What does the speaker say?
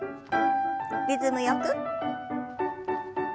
リズムよく。